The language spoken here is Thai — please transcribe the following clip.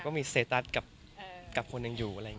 ก็มีไปคุยกับคนที่เป็นคนแต่งเพลงแนวนี้